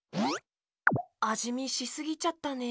あじみしすぎちゃったね。